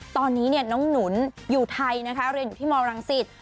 ตอนนี้น้องหนุนอยู่ไทยนะคะเรียนอยู่ที่มรังสิต